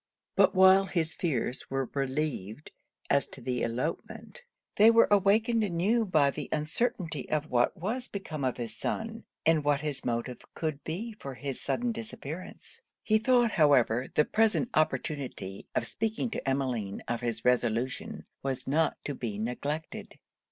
But while his fears were relieved as to the elopement, they were awakened anew by the uncertainty of what was become of his son, and what his motive could be for this sudden disappearance. He thought however the present opportunity of speaking to Emmeline of his resolution was not to be neglected.